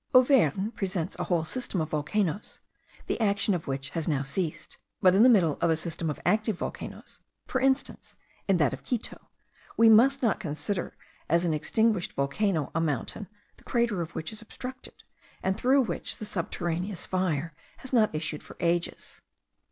Auvergne presents a whole system of volcanoes, the action of which has now ceased; but in the middle of a system of active volcanoes, for instance, in that of Quito, we must not consider as an extinguished volcano a mountain, the crater of which is obstructed, and through which the subterraneous fire has not issued for ages.